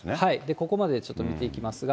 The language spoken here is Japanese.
ここまででちょっと見ていきますが。